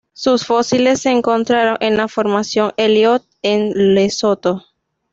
Sus fósiles se encontraron en la Formación Elliot, en Lesoto.